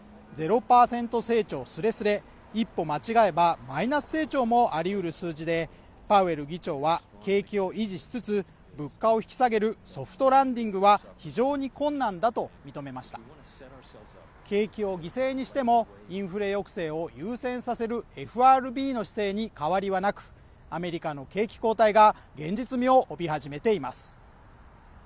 成長すれすれ一歩間違えばマイナス成長もありうる数字でパウエル議長は景気を維持しつつ物価を引き下げるソフトランディングは非常に困難だと認めました景気を犠牲にしてもインフレ抑制を優先させるＦＲＢの姿勢に変わりはなくアメリカの景気後退が現実味を帯び始めています